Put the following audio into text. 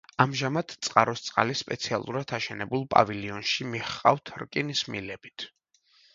ამჟამად წყაროს წყალი სპეციალურად აშენებულ პავილიონში მიჰყავთ რკინის მილებით.